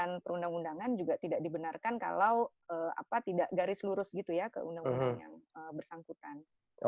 dan perundang undangan juga tidak dibenarkan kalau garis lurus gitu ya ke undang undang yang bersangkutan